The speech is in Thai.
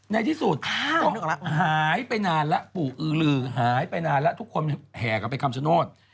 ในที่สุดหายไปนานแล้วปู่อือลือหายไปนานแล้วทุกคนแห่กลับไปคำชโนธ